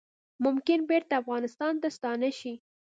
ممکن بیرته افغانستان ته ستانه شي